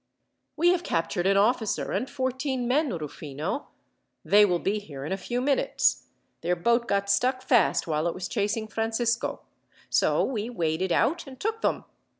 "We have captured an officer, and fourteen men, Rufino. They will be here in a few minutes. Their boat got stuck fast while it was chasing Francisco; so we waded out and took them.